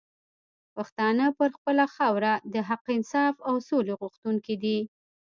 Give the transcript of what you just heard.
پښتانه پر خپله خاوره د حق، انصاف او سولي غوښتونکي دي